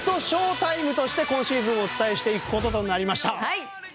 ＳＨＯ‐ＴＩＭＥとして今シーズンお伝えしていくこととなりました。